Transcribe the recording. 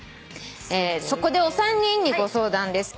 「そこでお三人にご相談です」